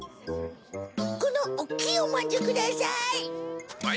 このおっきいおまんじゅう下さい。